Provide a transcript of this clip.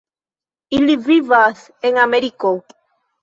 Ili vivas en Ameriko.